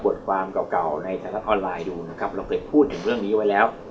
ความเก่าเก่าในไทยรัฐออนไลน์ดูนะครับเราเคยพูดถึงเรื่องนี้ไว้แล้ว